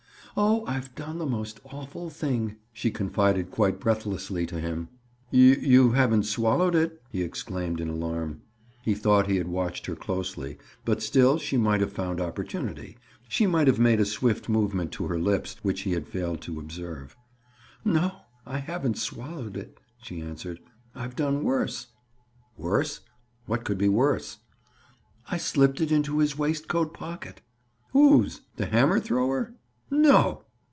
"Oh, I've done the most awful thing," she confided quite breathlessly to him. "You—you haven't swallowed it?" he exclaimed in alarm. He thought he had watched her closely, but still she might have found opportunity—she might have made a swift movement to her lips which he had failed to observe. "No, I haven't swallowed it," she answered. "I've done worse." "Worse? What could be worse?" "I slipped it into his waistcoat pocket." "Whose? The hammer thrower? No?